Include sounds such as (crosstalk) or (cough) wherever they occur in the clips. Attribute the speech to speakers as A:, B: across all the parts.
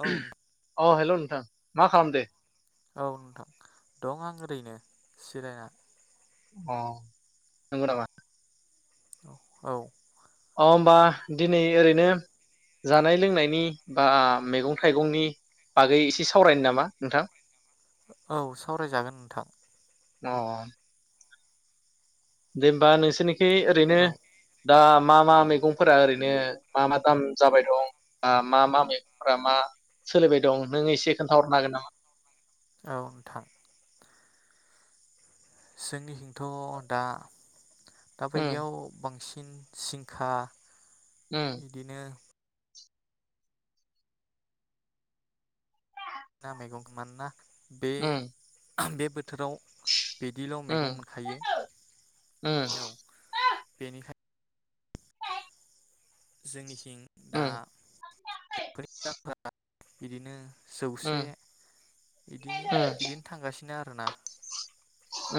A: औ
B: (unintelligible) अह हेल' नोंथां। मा खालाम दो?
A: औ नोंथां दं आं ओरैनो जिरायना।
B: अ नंगौ नामा?
A: औ
B: अ होनबा दिनै ओरैनो जानाय लोंनायनि बा मैगं थाइगंनि बागै एसे सावरायनो नामा नोंथां।
A: औ सावरायजागोन नोंथां।
B: अ अ। दे होनबा नोंसो ओरैनो
A: औ
B: दा मा मा मैगंफोरा ओरैनो मा मा दाम जाबाय दं बा मा मा मैगंफोरा मा सोलिबाय दं नों एसे खोन्थाहरनो हागोन नामा?
A: औ नोंथां जोंनिथिंथ' दा। दा बायदियाव बांसिन सिंखा। इदिनो ना मेगंखौ मानोना बे
B: ओम।
A: (unintelligible) बोथोराव बिदिल'
B: उम
A: मैगं मोनखायो
B: उम
A: औ बेनिखायनो जोंनि
B: उम
A: (unintelligible) बिदिनो जौसे
B: उम
A: इदिनो इदिनो थांगासिनो आरो (unintelligible) औ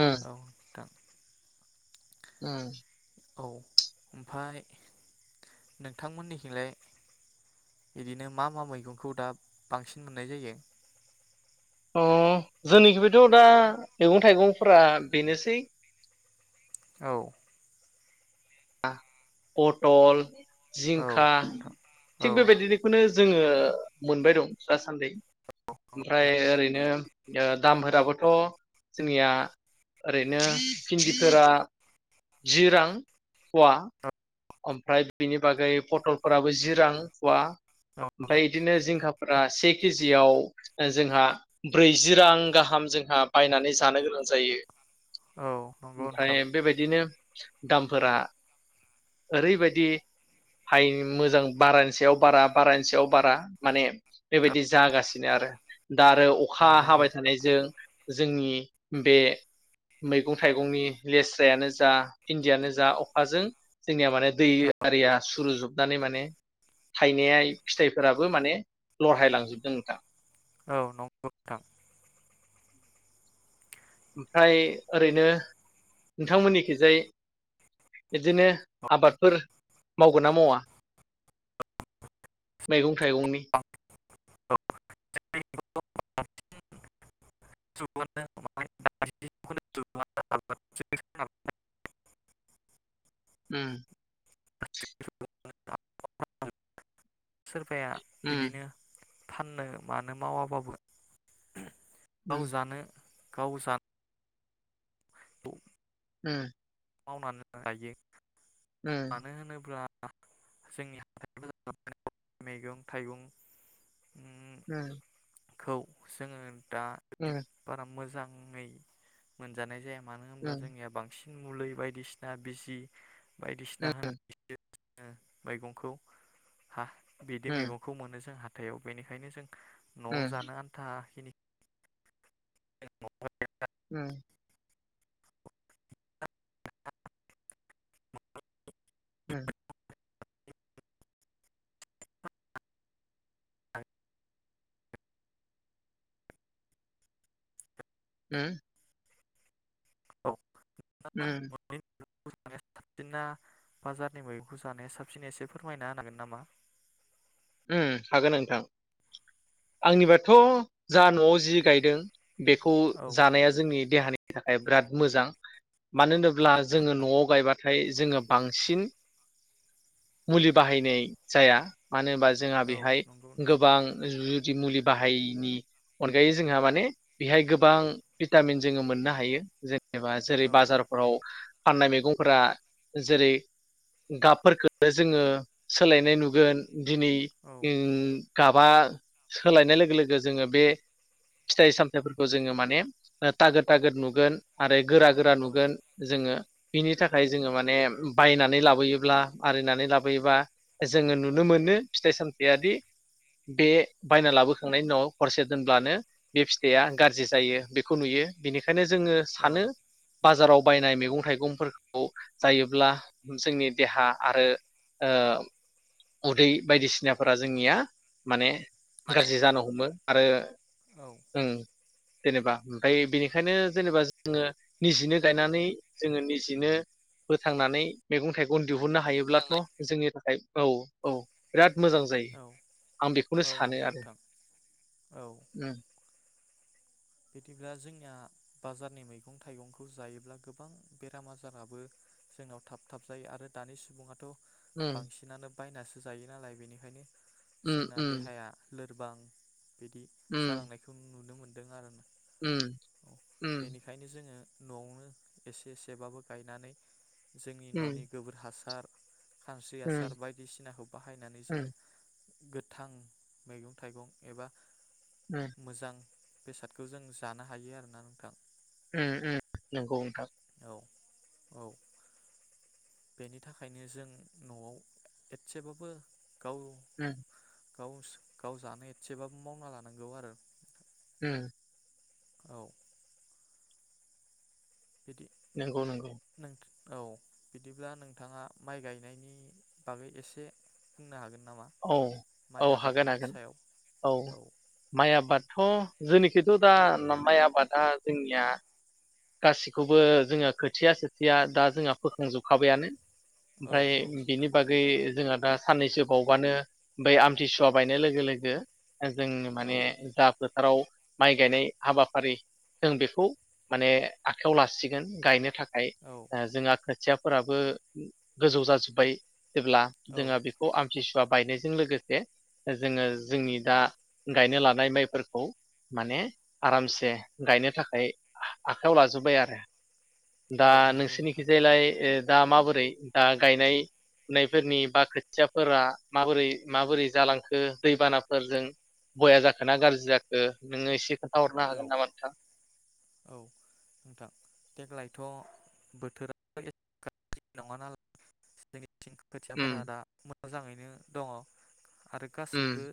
B: उम
A: नोंथां।
B: ओम।
A: औ ओमफ्राय नोंथांमोननिथिलाय बिदिनो मा-मा मैगंखौ दा बांसिन मोननाय जायो।
B: अ जोंनिखि बेथ' दा मैगं थाइगंफोरा बेनोसै।
A: औ।
B: पटल।
A: औ
B: जिंखा
A: नोंथां औ
B: थिग बेबायदिनो जोङो मोनबाय दं दासान्दि ओमफ्राय ओरैनो दामफोराबोथ' जोंनिया ओरैनो भिन्दिफोरा जि रां पवा। ओमफ्राय बिनि बागै पटलफोराबो जि रां फवा
A: औ
B: ओमफ्राय बिदिनो जिंखा फ्रा से केजियाव जोंहा ब्रैजि रां गाहाम जोंहा बायनानै जानो गोनां जायो।
A: औ नंगौ नोंथां
B: ओमफ्राय बेबायदिनो दामफोरा ओरैबायदि हाय मोजां बारानि सायाव बारा बारानि सायाव बारा माने बेबायदि जागासिनो आरो। दा आरो
A: औ
B: अखा
A: नंगौ
B: हाबाय थानायजों जोंनि बे मैगं थाइगंनि लेस्रायानो जा बिन्दियानो जा अखाजों जोंनिया माने दै आरिया सुरुजोबनानै माने थायनाया फिथाइफोराबो माने लरह्रायलांजोबदों नोंथां।
A: औ नंगौ नोंथां
B: ओमफ्राय ओरैनो नोंथांमोननिखिजाय बिदिनो आबादफोर मावगोन ना मावा मैगं थाइगंनि?
A: (unintelligible)
B: ओम।
A: (inaudible) फाया
B: उम
A: इदिनो फाननो मानो मावाबाबो गाव
B: उम
A: जानो गाव जानो औ।
B: होम
A: मावनानै गायो।
B: उम
A: मानो होनोब्ला जोंनि (inaudible) मैगं थाइगं
B: उम
A: खौ जोङो दा बारा मोजां मुङै मोनजानाय जाया मानो होनब्ला
B: उम
A: जोंनिया बांसिन मुलै बायदिसिना बिजि। बायदिसिना होनानै बिसो ओ मैगंखौ हा। बिदि
B: उम
A: मैगंखौ मोनो जोंहा थायाव बेनिखायनो जों
B: उम
A: न'आव जानो आन्था खिनि (unintelligible)
B: उम उम उम
A: औ। (unintelligible)
B: उम
A: (unintelligible) साबसिना बाजारनि मैगंखौ जानाया साबसिन एसे फोरमायना होनांगोन नामा?
B: उम हागोन नोंथां आंनिबाथ' जा न'आव जि गायदों बेखौ
A: औ
B: जानाया जोंनि देहानि थाखाय बिराद मोजां मानो होनो ब्ला जोङो न'आव गायबा नाथाय जोङो बांसिन मुलि बाहायनाय जाया मानो होनबा जोंहा
A: औ
B: बेहाय
A: नंगौ नोंथां
B: गोबां जु मुलि बाहायिनि अनगायै जोंहा माने बेहाय गोबां भिटामिन जोङो मोननो हायो जे एबा जेरै
A: औ
B: बाजारफोराव फाननाय मैगंफोरा जेरै गाबफोरखौ जोङो सोलायनाय नुगोन दिनै उम।
A: औ
B: गाबा सोलायनाय लोगो लोगो जोङो बे फिथाइ सामथाइफोरखौ जोङो माने थागोद थागोद नुगोन आरो गोरा गोरा नुगोन जोङो बिनि थाखाय जोङो माने बायनानै लाबोयोब्ला आरिनानै लाबोयोब्ला जोङो नुनो मोनो फिथाइ सामथायादि बे बायना लाबोखांनायनि उनाव हरसे दोनब्लानो बे फिथाइया गाज्रि जायो बेखौ नुयो बेनिखायनो। बेखायनो जोङो
A: औ
B: सानो। बाजाराव बायनाय मैगं थाइगंफोरखौ जायोब्ला जोंनि देहा आरो ओ उदै बायदिसिनाफोरा जोंनिया माने। गाज्रि जानो हमो। आरो।
A: औ
B: उम। जेनेबा ओमफ्राय बेनिखायनो जेनेबा जोङो निजिनो गायनानै जोङो निजिनो फोथांनानै मैगं थाइगं। दिहुननो हायोब्लाथ' जोंनि थाखाय। औ औ राद मोजां जायो आं बेखौनो
A: औ
B: सानो
A: नंगौ
B: आरो
A: नोंथां औ
B: उम।
A: बिदिब्ला जोंनिया बाजारनि मैगं थाइगंखौ जायोब्ला गोबां बेराम आजाराबो जोंनाव थाब थाब जायो आरो दानि सुबुङाथ'
B: उम
A: बांसिनानो बायनासो जायो नालाय बेनिखायनो
B: उम
A: जोंना
B: उम
A: देहाया लो बां बिदि
B: उम
A: जालांनायखौ नुनो मोन दों आरोना
B: उम
A: औ
B: उम।
A: बेनिखायनो जोङो न'आवनो एसे एसेबाबो गायनानै जोंनि
B: उम
A: न'नि गोबोर हासार खानस्रि
B: उम
A: हासार बायदिसिनाखौ बाहायनानै
B: उम
A: जोङो गोथां मैगं थाइगं एबा मोजां। बेसाद खौ जों जानो हायो आरोना नोंथां।
B: उम उम नोंगौ नोंथां।
A: औ बेनि थाखायनो जों न'आव एथसेबाबो गाव
B: उम।
A: गाव गाव जानो एथसेबाबो मावना लानांगौ आरो।
B: उम।
A: औ। बिदि
B: नंगौ नंगौ
A: (unintelligible) औ बिदिब्ला नोंथाङा माइ गायनायनि बागै एसे बुंनो हागोन नामा
B: औ
A: माइ
B: औ हागोन
A: आबादनि
B: हागोन
A: सायाव
B: औ माइ आबादथ' जोंनिखिथ' दा माइ आबादा जोंनिया गासिखौबो जोङो खोथिया सोथिया दा जोंहा फोखांजोबखाबायानो
A: औ
B: ओमफ्राय
A: नंगौ
B: बिनि
A: नोंथां
B: बागै जोंहा दा साननैसो बाव आनो बै आमथिसुवा बायनाय लोगो लोगो ओ जोंनो
A: औ
B: माने जाफोर थाराव माइ गायनाय हाबाफारि जों बेखौ माने आखायाव लासिगोन गायनो था खाय
A: औ
B: ओ जोंहा खोथिया फोराबो गोजौ जाजोब्बाय जेब्ला
A: औ
B: जोङो बेखौ आम थिसुवा बायनायजों लोगोसे जोङो जोंनि दा गायनो लानाय माइफोरखौ माने आरामसे गायनो थाखाय आ-आखायाव लाजोब्बाय आरो। दा
A: औ नंगौ
B: नोंसोरनिखि
A: नोंथां
B: जायलाय ओ दा माबोरै दा गायनाय फुनायफोरनि बा खोथिया फोरा माबोरै माबोरै जालांखो दैबानाफोरजों बया जाखो ना गाज्रि जाखो नोंङो इसे
A: औ औ नोंथां देग लाइ थ बोथोराथ एसे गाज्रि नंङा नालाय खोथियाफोरा
B: उम
A: दा मोजाङैनो दंङ आरो गासैबो
B: उम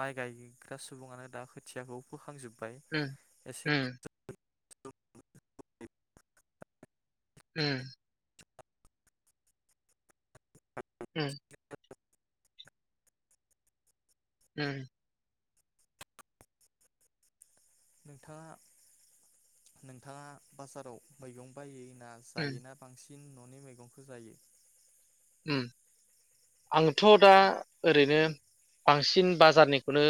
A: माइ गायग्रा सुबुंङानो दा खोथियाखौ फोखांजोब
B: ओम ओम। होम। होम।
A: (inaudible)
B: हुम
A: नोंथाङा नोंथाङा बाजाराव मैगं बायै
B: उम
A: जायोना बांसिन फिन न'नि मैगंखौ जायो।
B: उम आंथ दा ओरैनो बांसिन बाजारनिखौनो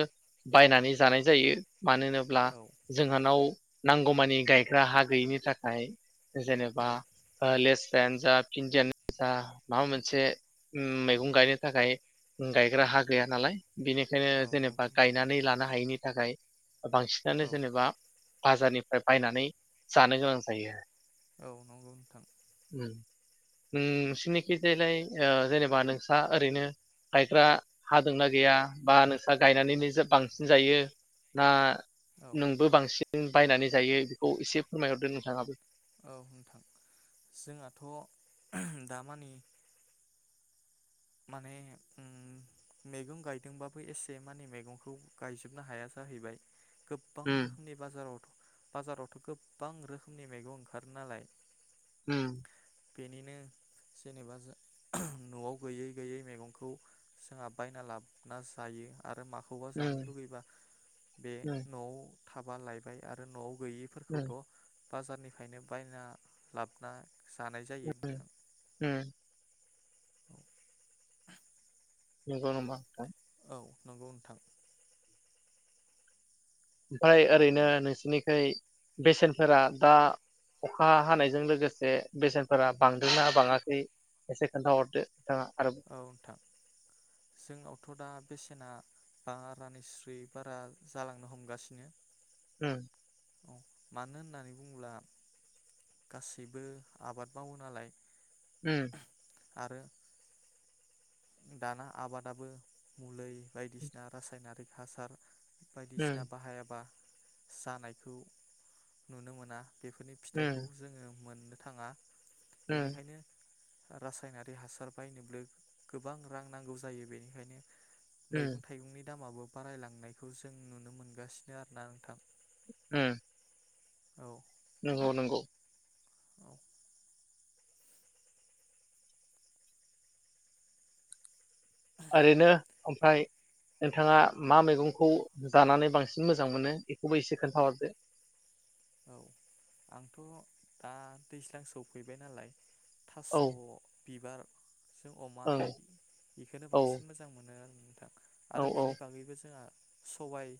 B: बायनानै जानाय जायो। मानो होनोब्ला
A: औ
B: जोंहानाव नांगौमानि गायग्रा हा गैयिनि थाखाय जेनेबा
A: औ
B: लेस जायान जा फिनदियानो जा माबा मोनसे मैगं गायनो थाखाय गायग्रा हा गैया नालाय बिनिखायनो
A: औ
B: जेनेबा
A: नंगौ नोंथां
B: गायनानै लानो हायिनि नि थाखाय बांसिनानो
A: औ
B: जेनेबा। बाजारनिफ्राय बायनानै जानो गोनां जायो।
A: औ नंगौ नोंथां
B: उम नोंसिनि खिजायलाय ओ जेनेबा नोंसा ओरैनो गायग्रा हादोंना गैया बा नोंसा गायनानैनो बांसिन जायो ना
A: औ
B: नोंबो बांसिन बायनानै जायो बेखौ एसे फोरमायहरदो नोंथाङाबो।
A: औ नोंथां जोंहाथ दामानि माने ओ मैगं गायदोंबाबो एसे मानि मैगंखौ गायजोबनो हाया जाहैबाय गोबां
B: उम
A: रोखोमनि बाजाराव बाजारावथ गोबां रोखोमनि मैगं ओंखारो नालाय
B: उम।
A: बेनिनो जेनेबा जा न'आव गैयै गैयै मैगंखौ जोंहा बायना लाबोना जायो। आरो माखौबा जानो
B: उम
A: लुुबैबा बे
B: उम
A: न'आव थाबा लायबाय आरो न'आव
B: उम
A: गैयिफोरखौथ' बाजारनिफ्रायनो बायना लाबोना जानाय जायो
B: उम
A: नोंथां।
B: (unintelligible) नंगौ नामा नोंथां?
A: औ नंगौ नोंथां।
B: ओमफ्राय ओरैनो नोंसिनिखै बेसेनफोरा दा अखा हानायजों लोगोसे बेसेनफोरा बांदोंना बाङाखै एसे खोन्थाहरदो। नोंथाङा आरोबाव
A: औ नोंथां जोंनावथ' दा बेसेना बा रानिस्रि बारा जालांनो हमगासिनो।
B: उम
A: मानो होननानै बुंङोब्ला गासैबो आबाद मावो नालाय।
B: उम
A: आरो दाना आबादाबो मुलै बायदिसिना रासायनारि हासार। बायदिसिना
B: उम
A: बाहायाबा जानायखौ नुनो मोना। बेफोरनि फिथाइखौ
B: उम
A: जोङो मोन थाङा
B: उम
A: बेनिखायनो। रासायनारि हासार बायनोब्लो गोबां रां नांगौ जायो बेनिखायनो
B: उम
A: मैगं थाइगंनि दामाबो बारायलांनायखौ जों नुनो मोनगासिनो आरो ना नोंथां
B: उम
A: औ
B: नंगौ नंगौ।
A: औ
B: ओरैनो ओमफाय नोंथाङा मा मैगंखौ जानानै बांसिन मोजां मोनो बेखौबो एसे खोन्थाहरदो
A: औ आंथ' दा दैज्लां सौफैबाय नालाय। थास'
B: औ
A: बिबार जों अमा
B: ओं
A: बेखौ
B: औ
A: बांसिन मोजां मोनो उम
B: औ
A: आरो
B: औ
A: बेनि बागैबो जोंहा सबाय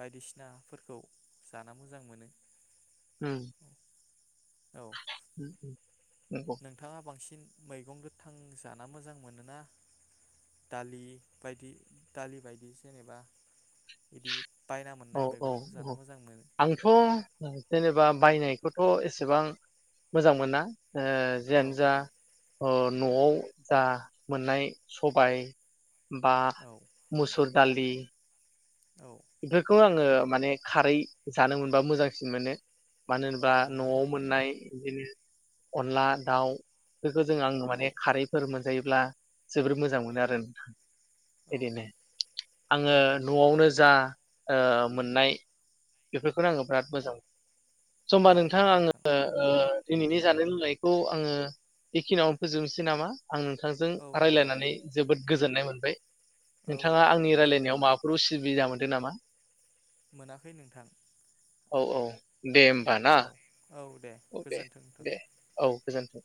A: बायदिसिनाफोरखौ जाना मोजां मोनो
B: उम
A: औ औ
B: (unintelligible)
A: नोंथाङा बांसिन मैगं गोथां जाना मोजां मोनोना दालि बायदि दालि बायदि जेनेबा बिदि बायना
B: औ
A: मोननाय
B: औ
A: मैगंखौ जाना
B: औ
A: मोजां मोनो
B: आंथ जेनेबा। बायनायखौथ एसेबां मोजां मोना। ओ
A: औ
B: जिआनोजा
A: नोंथां
B: अ नआव जा मोननाय सबाय बा
A: औ
B: मुसुर दालि।
A: औ
B: बेफोरखौ आङो माने खारै जानो मोनबा मोजांसिन मोनो। मानो होनोबा
A: नंगौ
B: नआव
A: नोंथां
B: मोननाय इदिनो अनला दाउ। बेखो जों आं
A: औ
B: माने खारैफोर मोन मोनजायोब्ला जोबोर मोजां मोनो आरो नोंथां।
A: औ
B: बिदिनो आङो
A: औ नंगौ नोंथां
B: नआवनो जा। ओ मोननाय बेफोरखौनो आङो बिराद मोजां
A: औ
B: मोन (unintelligible) नोंथा
A: नंगौ
B: आङो
A: नोंथां
B: ओ दिनैनि जानाय लोंनायखौ आङो बेखिनियावनो फोजोबनोसै नामा? आं नोंथांजों
A: औ नोंथां
B: रायलायनानै जोबोद गोजोननाय मोनबाय।
A: औ
B: नोंथाङा आंनि
A: गोजोन्थों
B: रायलायनायाव
A: नोंथां
B: माबाफोर उसुबिदा मोन (unintelligible) नामा?
A: मोनाखै नोंथां।
B: औ औ। दे होमबा ना।
A: औ औ
B: औ दे
A: गोजोन्थों नोंथां
B: दे औ। गोजोन्थों।